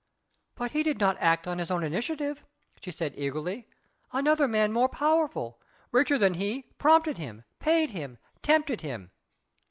"But he did not act on his own initiative," she said eagerly, "another man more powerful, richer than he prompted him paid him tempted him...."